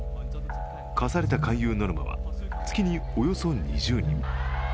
課された勧誘ノルマは月におよそ２０人。